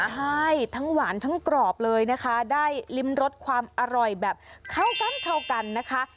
ใช่ทั้งหวานทั้งกรอบเลยนะคะได้ริมรสความอร่อยแบบเข้ากันเข้ากันนะคะ